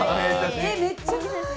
めっちゃかわいい！